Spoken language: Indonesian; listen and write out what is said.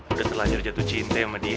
udah telah nyuruh jatuh cinta sama dia